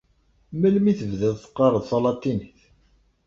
Melmi tebdiḍ teqqareḍ talatinit?